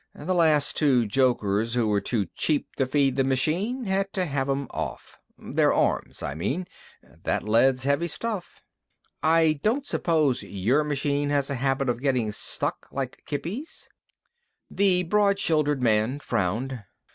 "The last two jokers who were too cheap to feed the machine had to have 'em off. Their arms, I mean. That lead's heavy stuff." "I don't suppose your machine has a habit of getting stuck, like Kippy's?" The broad shouldered man frowned.